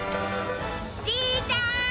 じいちゃん。